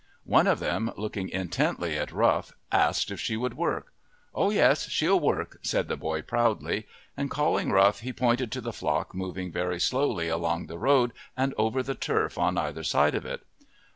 One of them, looking intently at Rough, asked if she would work. "Oh, yes, she'll work," said the boy proudly, and calling Rough he pointed to the flock moving very slowly along the road and over the turf on either side of it.